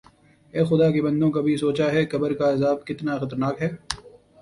اے خدا کے بندوں کبھی سوچا ہے قبر کا عذاب کتنا خطرناک ہے